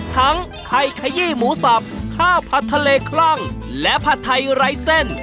ไข่ขยี้หมูสับข้าวผัดทะเลคลั่งและผัดไทยไร้เส้น